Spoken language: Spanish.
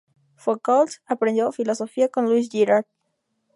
Foucault aprendió filosofía con Louis Girard.